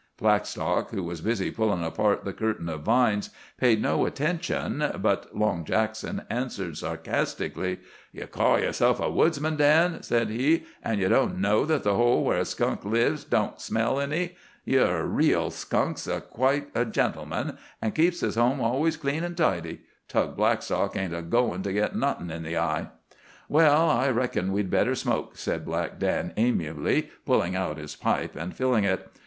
Blackstock, who was busy pulling apart the curtain of vines, paid no attention, but Long Jackson answered sarcastically: "Ye call yerself a woodsman, Dan," said he, "an' ye don't know that the hole where a skunk lives don't smell any. Yer reel skunk's quite a gentleman and keeps his home always clean an' tidy. Tug Blackstock ain't a goin' to git nawthin' in the eye." "Well, I reckon we'd better smoke," said Black Dan amiably, pulling out his pipe and filling it.